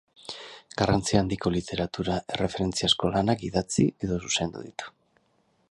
Garrantzi handiko literatura erreferentziazko lanak idatzi edo zuzendu ditu.